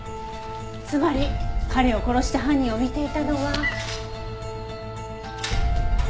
つまり彼を殺した犯人を見ていたのは。